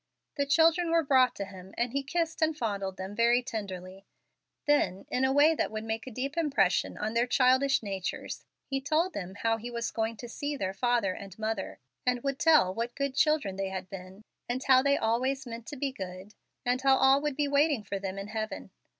The children were brought to him, and he kissed and fondled them very tenderly. Then, in a way that would make a deep impression on their childish natures, he told them how he was going to see their father and mother, and would tell what good children they had been, and how they always meant to be good, and how all would be waiting for them in heaven.